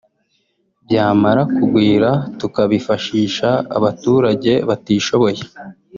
byamara kugwira tukabifashisha abaturage batishoboye